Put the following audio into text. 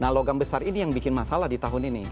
nah logam besar ini yang bikin masalah di tahun ini